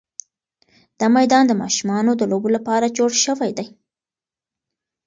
دا میدان د ماشومانو د لوبو لپاره جوړ شوی دی.